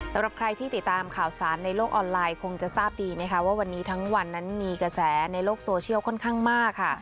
สำหรับใครที่ติดตามข่าวสารในโลกออนไลน์คงจะทราบดีนะคะว่าวันนี้ทั้งวันนั้นมีกระแสในโลกโซเชียลค่อนข้างมากค่ะ